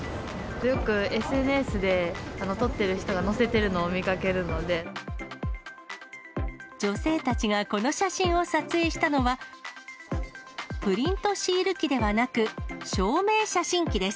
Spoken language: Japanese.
よくＳＮＳで撮ってる人が載女性たちがこの写真を撮影したのは、プリントシール機ではなく、証明写真機です。